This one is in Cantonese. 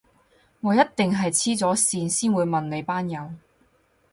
我一定係痴咗線先會問你班友